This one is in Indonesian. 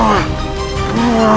aku tidak percaya